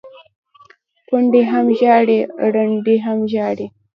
ـ کونډې هم ژاړي ړنډې هم ژاړي،